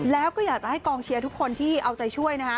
แล้วก็อยากจะให้กองเชียร์ทุกคนที่เอาใจช่วยนะคะ